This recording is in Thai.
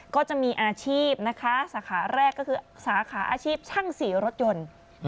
ก็จะมีอาชีพนะคะสาขาแรกก็คือสาขาอาชีพช่างสีรถยนต์